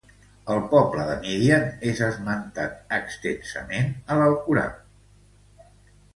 El poble de Midian és esmentat extensament a l'Alcorà àrab.